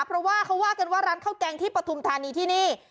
เพราะว่าเขาว่ากันว่าร้านข้าวแกงที่ปฐุมธานีที่นี่